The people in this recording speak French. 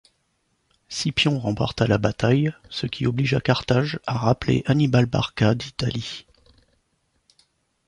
Scipion remporta la bataille, ce qui obligea Carthage à rappeler Hannibal Barca d'Italie.